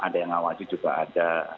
ada yang ngawasi juga ada